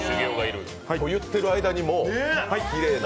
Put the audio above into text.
言ってる間にもうきれいな。